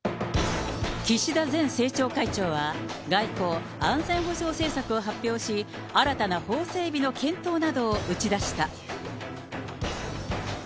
岸田前政調会長は、外交・安全保障政策を発表し、新たな法整備の検討などを打ち出した。